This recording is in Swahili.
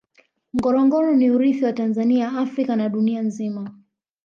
ngorongoro ni urithi wa tanzania africa na dunia nzima